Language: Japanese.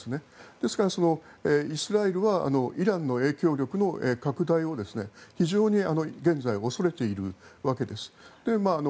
ですから、イスラエルはイランの影響力の拡大を非常に現在恐れているわけです。